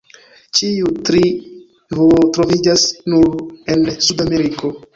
Ĉiuj tri troviĝas nur en Sudameriko.